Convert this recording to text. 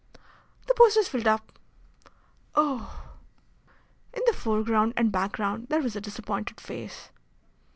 "The post is filled up." "Oh!" In the foreground and background there was a disappointed face.